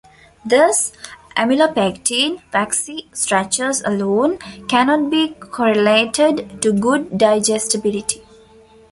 Thus, amylopectin, waxy starches alone, cannot be correlated to good digestibility.